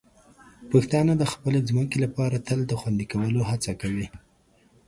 پښتانه د خپلې ځمکې لپاره تل د خوندي کولو هڅه کوي.